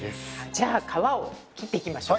じゃあ皮を切っていきましょう。